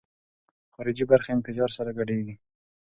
خارجي برخې انفجار سره ګډېږي.